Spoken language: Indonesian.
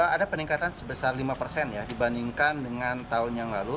ada peningkatan sebesar lima persen dibandingkan dengan tahun yang lalu